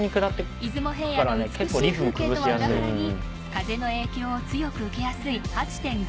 出雲平野の美しい風景とは裏腹に風の影響を強く受けやすい８．５ｋｍ。